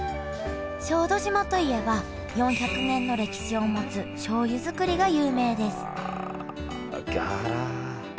小豆島といえば４００年の歴史を持つしょうゆ造りが有名ですあら。